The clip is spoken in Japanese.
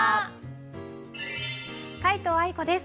皆藤愛子です。